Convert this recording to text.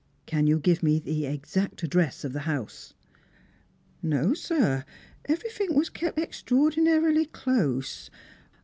" Can you give me the exact address of the house?" " No, sir. Everythink was kep extraordinary close.